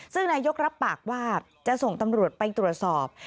ซึ่งนายกรับปากว่าจะส่งตำรวจไปตรวจสอบ